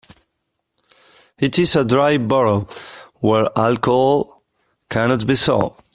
It is a dry borough, where alcohol cannot be sold.